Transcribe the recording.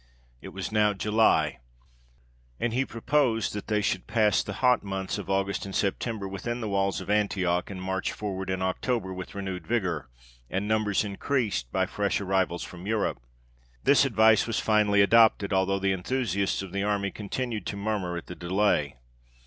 It was now July, and he proposed that they should pass the hot months of August and September within the walls of Antioch, and march forward in October with renewed vigour, and numbers increased by fresh arrivals from Europe. This advice was finally adopted, although the enthusiasts of the army continued to murmur at the delay.